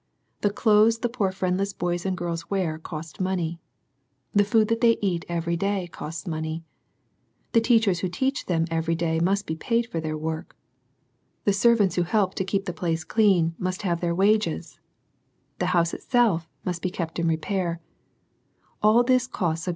Tl clothes the poor friendless boys and girls we cost money ; the food that they eat every 6i costs money; the teachers who teach the every day must be paid for their work; tl servants who help to keep the place clean mu have their wages; the house itself must I Aept in repair, AH this costs a.